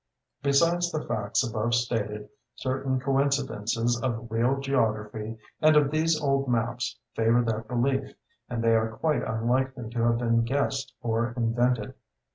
Besides the facts above stated, certain coincidences of real geography and of these old maps favor that belief, and they are quite unlikely to have been guessed or invented.